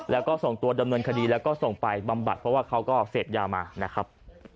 แล้วก็ส่งตัวดำเนินคดีแล้วก็ส่งไปบำบัดเพราะว่าเขาก็เสพยามานะครับ